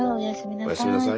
おやすみなさい。